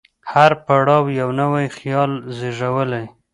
هر پړاو یو نوی خیال زېږولی.